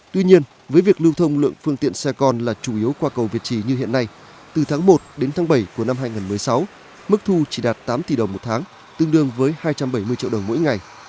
tuy nhiên với việc lưu thông lượng phương tiện xe con là chủ yếu qua cầu việt trì như hiện nay từ tháng một đến tháng bảy của năm hai nghìn một mươi sáu mức thu chỉ đạt tám tỷ đồng một tháng tương đương với hai trăm bảy mươi triệu đồng mỗi ngày